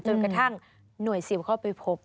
จนกระทั่งหน่วยซิลเข้าไปพบ